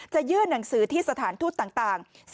ยื่นหนังสือที่สถานทูตต่าง